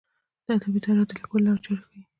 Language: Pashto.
د ادبي تاریخ د لیکلو لارې چارې ښيي.